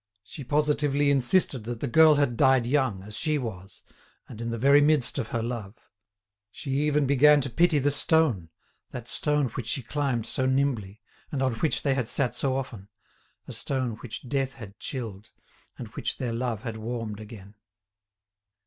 She positively insisted that the girl had died young, as she was, and in the very midst of her love. She even began to pity the stone, that stone which she climbed so nimbly, and on which they had sat so often, a stone which death had chilled, and which their love had warmed again.